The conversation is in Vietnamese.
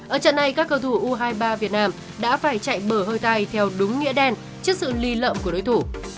ở trận này các cầu thủ u hai mươi ba việt nam đã phải chạy bờ hơi tài theo đúng nghĩa đen trước sự ly lợm của đối thủ